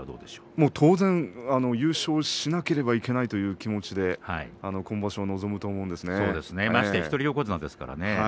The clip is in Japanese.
もう当然優勝しなければいけないという気持ちでまして一人横綱ですからね。